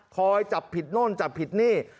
จับผิดโน่นจับผิดนี่